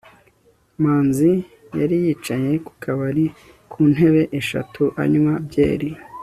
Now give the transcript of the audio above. manzi yari yicaye ku kabari kuntebe eshatu, anywa byeri